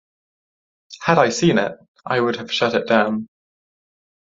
Had I seen it, I would have shut it down.